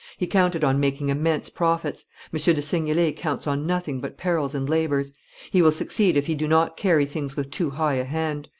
He counted on making immense profits; M. de Seignelay counts on nothing but perils and labors. He will succeed if he do not carry things with too high a hand.